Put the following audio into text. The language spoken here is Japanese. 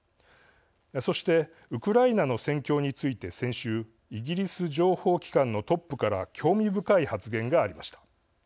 そしてウクライナの戦況について、先週イギリス情報機関のトップから興味深い発言がありました。